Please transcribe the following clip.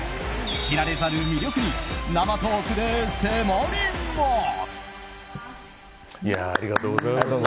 知られざる魅力に生トークで迫ります。